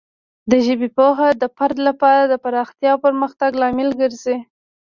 د ژبې پوهه د فرد لپاره د پراختیا او پرمختګ لامل ګرځي.